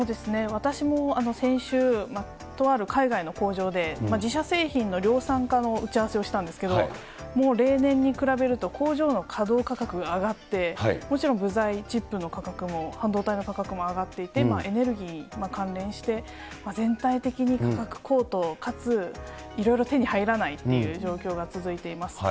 私も先週、とある海外の工場で、自社製品の量産化の打ち合わせをしたんですけれども、もう例年に比べると、工場の稼働価格が上がって、もちろん部材、チップの価格も、半導体の価格も上がっていて、エネルギーに関連して、全体的に価格高騰かついろいろ手に入らないっていう状況が続いています。